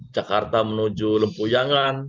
jakarta menuju lempuyangan